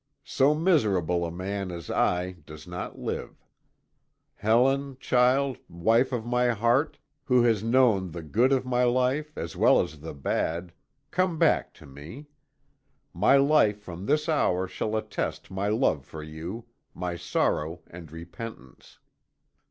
So miserable a man as I does not live. Helen, child, wife of my heart, who has known the good of my life as well as the bad, come back to me. My life from this hour shall attest my love for you, my sorrow and repentance.